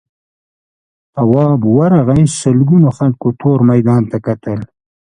تواب ورغی سلگونو خلکو تور میدان ته کتل.